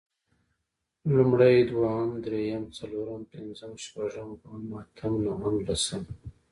لومړی، دويم، درېيم، څلورم، پنځم، شپږم، اووم، اتم، نهم، لسم